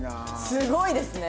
すごいですね。